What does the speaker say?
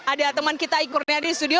ada teman kita ikutnya di studio